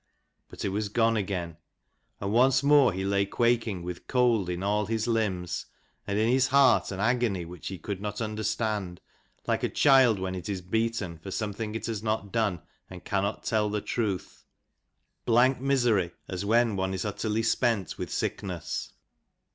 But it was gone again : and once more he lay quaking, with cold in all his limbs, and in his heart an agony which he could not under stand, like a child when it is beaten for something it has not done, and cannot tell the truth : blank misery as when one is utterly spent with sickness.